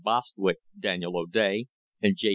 Bostwick, Daniel O'Day, and J.